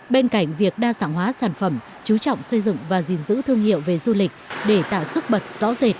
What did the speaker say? bên cạnh việc đa sản hóa sản phẩm chú trọng xây dựng và gìn giữ thương hiệu về du lịch để tạo sức bật rõ rệt